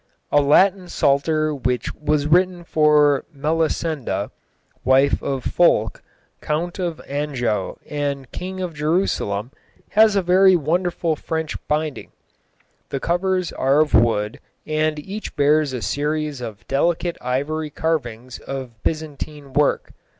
A Latin psalter which was written for Melissenda, wife of Fulk, Count of Anjou and King of Jerusalem, has a very wonderful French binding. The covers are of wood, and each bears a series of delicate ivory carvings of Byzantine work.